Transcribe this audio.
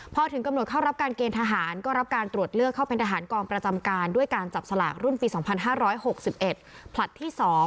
พอถึงกำหนดเข้ารับการเกณฑหารก็รับการตรวจเลือกเข้าเป็นทหารกองประจำการด้วยการจับสลากรุ่นปี๒๕๖๑ผลัดที่๒